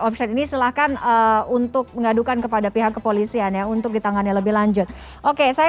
omset ini silahkan untuk mengadukan kepada pihak kepolisian ya untuk ditangani lebih lanjut oke saya